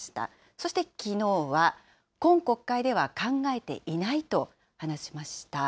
そしてきのうは、今国会では考えていないと話しました。